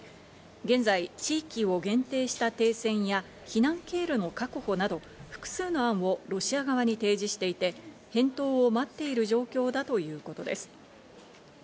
現在、地域を限定した停戦や避難経路の確保など複数の案をロシア側に提示していて、返答を待っている状況だということです。